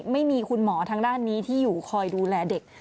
ไม่มีคุณหมอทางด้านนี้ที่อยู่คอยดูแลเด็ก